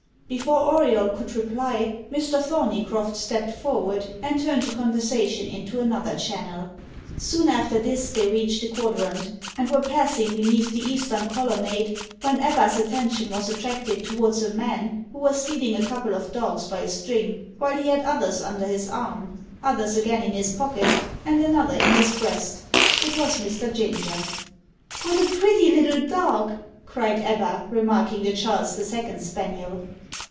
Before Auriol could reply, Mr. Thorneycroft stepped forward, and turned the conversation into another channel. Soon after this, they reached the Quadrant, and were passing beneath the eastern colonnade, when Ebba's attention was attracted towards a man who was leading a couple of dogs by a string, while he had others under his arm, others again in his pocket, and another in his breast. It was Mr. Ginger. "What a pretty little dog!" cried Ebba, remarking the Charles the Second spaniel.